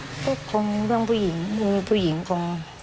มันคงเป็นเรื่องเรื่องผู้หญิงมีผู้หญิงคง